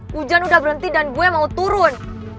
hujan udah berhenti dan gue mau turun